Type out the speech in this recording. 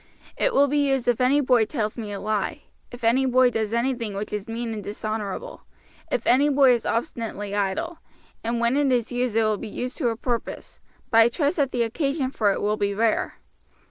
It will be used if any boy tells me a lie, if any boy does anything which is mean and dishonorable, if any boy is obstinately idle, and when it is used it will be used to a purpose, but I trust that the occasion for it will be rare.